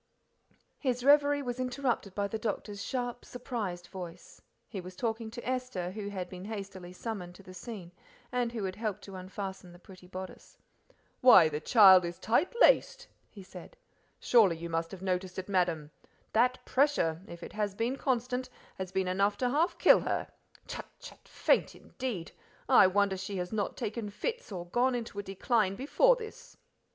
His reverie was interrupted by the doctor's sharp, surprised voice. He was talking to Esther, who had been hastily summoned to the scene, and who had helped to unfasten the pretty bodice. "Why, the child is tight laced!" he said; "surely you must have noticed it, madam. That pressure, if it has been constant, has been enough to half kill her. Chut, chut! faint indeed I wonder she has not taken fits or gone into a decline before this."